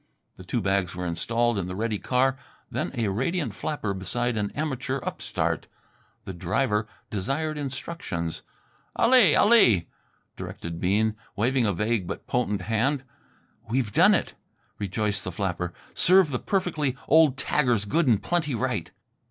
The two bags were installed in the ready car; then a radiant flapper beside an amateur upstart. The driver desired instructions. "Ally, ally!" directed Bean, waving a vague but potent hand. "We've done it," rejoiced the flapper. "Serve the perfectly old taggers good and plenty right!"